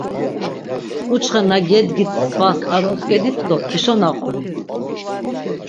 K̆uçxe na gedgit svas ar otzk̆edit do eşo naqonit.